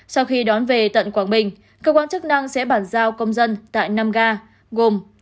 sau khi đón về tận quảng bình cơ quan chức năng sẽ bàn giao công dân tại năm ga gồm